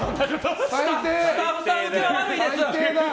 スタッフさん受けは悪いですよ。